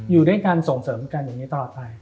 อยู่ด้วยกันส่งเสริมกันอย่างนี้ตลอดไป